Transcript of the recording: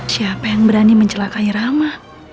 siapa yang berani mencelakai rahma